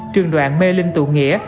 trường đoạn mê linh tụ nghĩa